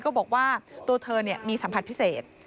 ก็บอกว่าตัวเธอมีสัมผัสพิเศษ